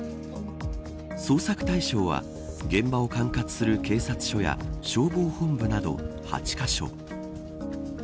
捜査対象は現場を管轄する警察署や消防本部など８カ所。